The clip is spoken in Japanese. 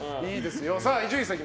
さあ、伊集院さん。